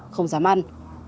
không dám ăn